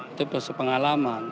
itu proses pengalaman